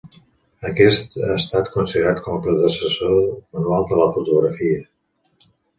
Aquest ha estat considerat com a predecessor manual de la fotografia.